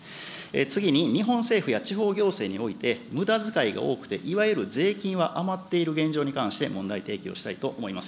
次に日本政府や地方行政において、むだづかいが多くて、いわゆる税金は余っている現状に関して問題提起をしたいと思います。